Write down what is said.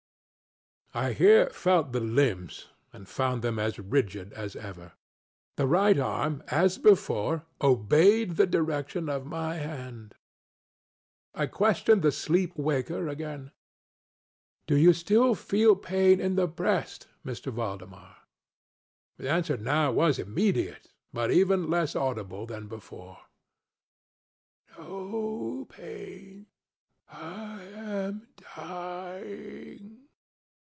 ŌĆØ I here felt the limbs and found them as rigid as ever. The right arm, as before, obeyed the direction of my hand. I questioned the sleep waker again: ŌĆ£Do you still feel pain in the breast, M. Valdemar? ŌĆØ The answer now was immediate, but even less audible than before: ŌĆ£No painŌĆöI am dying.